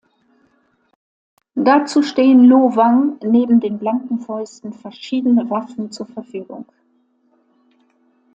Dazu stehen Lo Wang neben den blanken Fäusten verschiedene Waffen zur Verfügung.